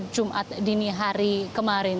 jumat dini hari kemarin